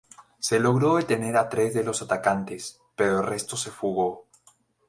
Se logró detener a tres de los atacantes, pero el resto se fugó.